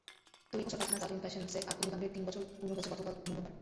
তৈরি পোশাক কারখানা তাজরীন ফ্যাশনসে অগ্নিকাণ্ডের তিন বছর পূর্ণ হয়েছে গতকাল মঙ্গলবার।